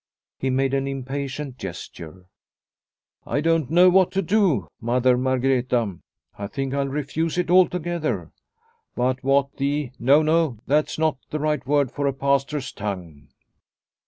He made an impatient gesture. " I don't know what to do, Mother Margreta. I think I'll refuse it altogether. But what the No, no, that's not the right word for a Pastor's tongue."